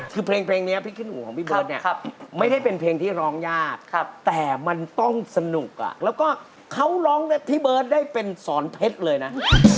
คือเพลงนี้พี่ขี้อู่ของพี่เบิร์ตเนี่ยไม่ได้เป็นเพลงที่ร้องยากแต่มันต้องสนุกแล้วก็เขาร้องพี่เบิร์ตได้เป็นสอนเพชรเลยนะ